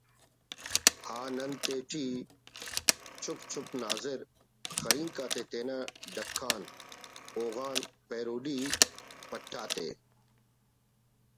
آ نن تے ٹی چُپ چُپ ناظرؔ خڑینک آتے تینا ڈکّان ہوغان پیروڈی پُٹ آتے